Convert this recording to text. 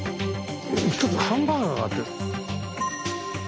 １つハンバーガーがあったよ。